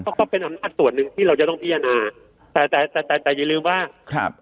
ก็เป็นอำนาจส่วนหนึ่งที่เราจะต้องพิจารณาแต่แต่แต่แต่อย่าลืมว่าครับ